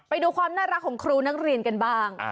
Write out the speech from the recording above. ไปดูความน่ารักของครูนักเรียนกันบ้าง